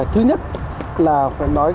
thứ nhất là phải nói